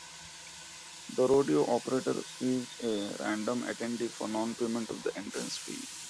The rodeo operator sues a random attendee for non-payment of the entrance fee.